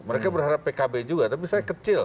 mereka berharap pkb juga tapi saya kecil